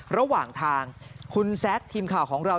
ระหว่างทางคุณแซคทีมข่าวของเรา